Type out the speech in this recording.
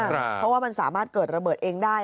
เพราะว่ามันสามารถเกิดระเบิดเองได้